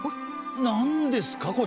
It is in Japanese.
何ですか？